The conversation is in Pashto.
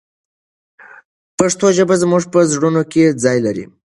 پښتو ژبه زموږ په زړونو کې ځای لري.